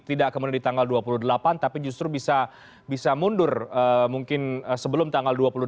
tidak kemudian di tanggal dua puluh delapan tapi justru bisa mundur mungkin sebelum tanggal dua puluh dua